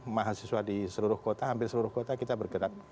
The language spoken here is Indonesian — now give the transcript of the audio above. mahasiswa di seluruh kota hampir seluruh kota kita bergerak